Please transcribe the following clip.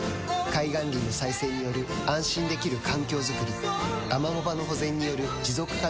海岸林の再生による安心できる環境づくりアマモ場の保全による持続可能な海づくり